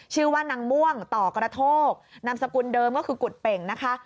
ชื่อว่านางม่วงต่อกระโทกนามสกุลเดิมก็คือกุฎเป่งนะคะ